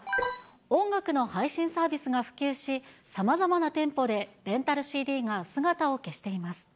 音楽の配信サービスが普及し、さまざまな店舗でレンタルＣＤが姿を消しています。